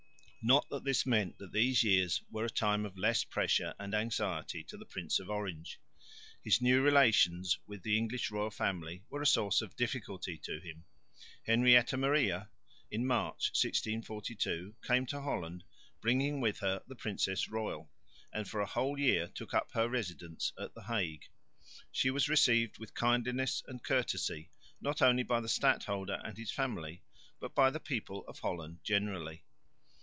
Not that this meant that these years were a time of less pressure and anxiety to the Prince of Orange. His new relations with the English royal family were a source of difficulty to him. Henrietta Maria (March, 1642) came to Holland, bringing with her the princess royal, and for a whole year took up her residence at the Hague. She was received with kindliness and courtesy not only by the stadholder and his family, but by the people of Holland generally.